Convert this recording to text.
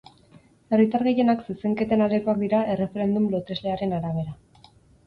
Herritar gehienak zezenketen aldekoak dira erreferendum loteslearen arabera.